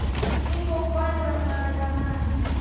niko kuanza maandamano